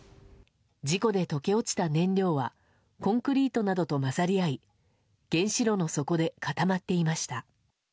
事故で溶け落ちた燃料はコンクリートなどと混ざり合い原子炉の底で固まっていました。